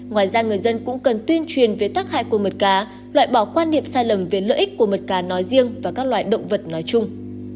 ngoài ra người dân cũng cần tuyên truyền về tắc hại của mật cá loại bỏ quan điểm sai lầm về lợi ích của mật cá nói riêng và các loài động vật nói chung